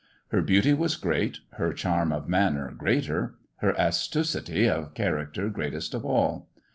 Her beauty was great, her charm of manner greater, her astucity of character greatest of all.